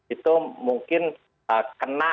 itu mungkin kena